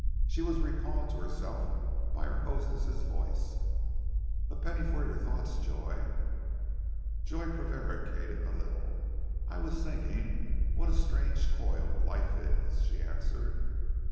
She was recalled to herself by her hostess's voice. "A penny for your thoughts, Joy." Joy prevaricated a little. "I was thinking what a strange coil life is!" she answered.